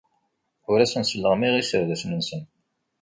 Ur asen-sleɣmayeɣ iserdasen-nsen.